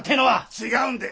違うんで。